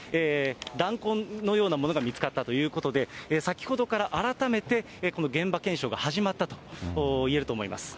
弾痕のようなものが見つかったということで、先ほどから改めてこの現場検証が始まったといえると思います。